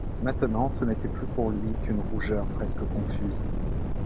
Maintenant ce n’était plus pour lui qu’une rougeur presque confuse.